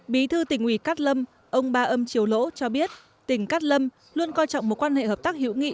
bí thư tình ủy cắt lâm ông ba âm chiều lỗ cho biết tình cắt lâm luôn coi trọng một quan hệ hợp tác hiệu nghị